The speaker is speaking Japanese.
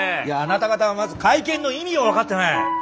いやあなた方はまず会見の意味を分かってない！